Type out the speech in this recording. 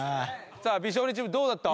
さあ美少年チームどうだった？